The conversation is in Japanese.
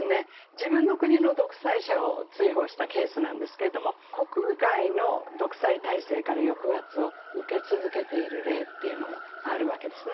自分の国の独裁者を追放したケースなんですけれども国外の独裁体制から抑圧を受け続けている例というのもあるわけですね。